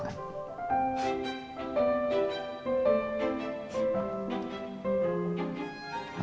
kita gak tau kan